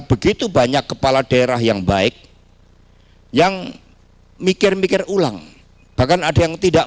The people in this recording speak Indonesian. begitu banyak kepala daerah yang baik yang mikir mikir ulang bahkan ada yang tidak